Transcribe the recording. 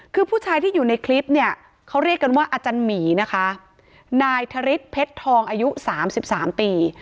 คือผู้ชายที่อยู่ในคลิปเนี่ยเขาเรียกกันว่าอาจารย์หมีนะคะนายทริสเพชรทองอายุสามสิบสามปี